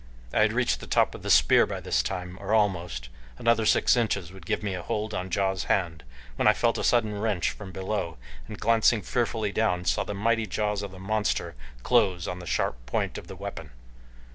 I had reached the top of the spear by this time, or almost; another six inches would give me a hold on Ja's hand, when I felt a sudden wrench from below and glancing fearfully downward saw the mighty jaws of the monster close on the sharp point of the weapon.